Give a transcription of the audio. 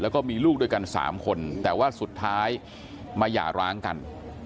แล้วก็มีลูกด้วยกัน๓คนแต่ว่าสุดท้ายมาหย่าร้างกัน